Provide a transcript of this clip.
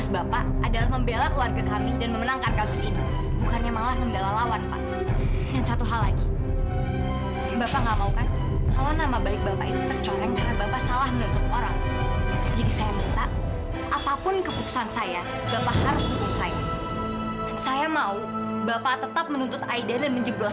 sampai jumpa di video selanjutnya